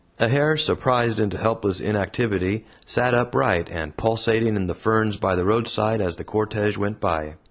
A hare, surprised into helpless inactivity, sat upright and pulsating in the ferns by the roadside as the cortege went by.